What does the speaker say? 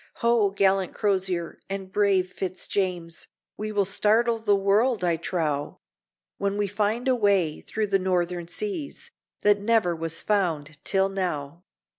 Ho! gallant Crozier, and brave Fitz James! We will startle the world, I trow, When we find a way through the Northern seas That never was found till now!